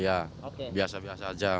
iya biasa biasa aja